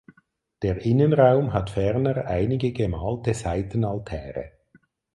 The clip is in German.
Der Innenraum hat ferner einige gemalte Seitenaltäre.